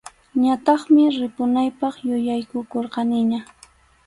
Ñataqmi ripunaypaq yuyaykukurqaniña.